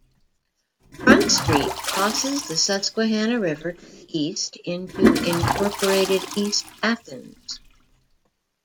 Front Street crosses the Susquehanna River to the east into unincorporated East Athens.